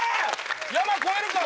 山越えるか？